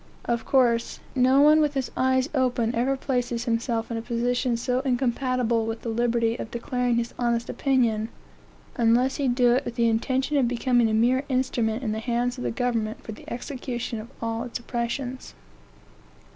Of course, no one with his eyes open ever places himself in a position so incompatible with the liberty of declaring his honest opinion, unless he do it with the intention of becoming a mere instrument in the hands of the government for the execution of all its oppressions.